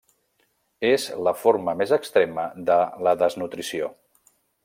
És la forma més extrema de la desnutrició.